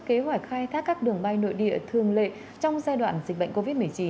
kế hoạch khai thác các đường bay nội địa thường lệ trong giai đoạn dịch bệnh covid một mươi chín